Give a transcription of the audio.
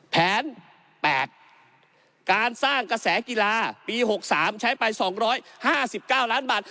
แผน๘การสร้างกระแสกีฬาปี๖๓ใช้ไป๒๕๙ล้านบาท